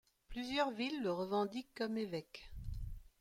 Plusieurs villes le revendiquent comme évêque.